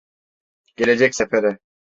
Gelecek sefere.